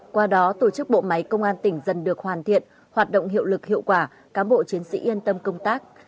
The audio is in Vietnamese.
qua đó tổ chức bộ máy công an tỉnh dần được hoàn thiện hoạt động hiệu lực hiệu quả cán bộ chiến sĩ yên tâm công tác